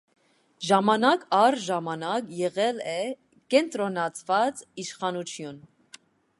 Ժամանակ առ ժամանակ եղել է կենտրոնացված իշխանություն։